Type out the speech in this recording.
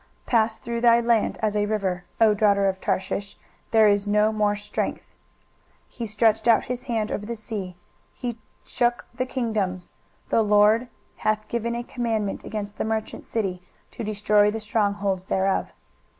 23:023:010 Pass through thy land as a river, O daughter of Tarshish: there is no more strength. 23:023:011 He stretched out his hand over the sea, he shook the kingdoms: the LORD hath given a commandment against the merchant city, to destroy the strong holds thereof.